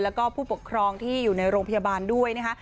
แล้วก็ผู้ปกครองที่อยู่ในโรงพยาบาลด้วยนะคะ